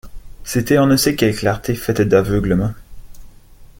C’était on ne sait quelle clarté faite d’aveuglement.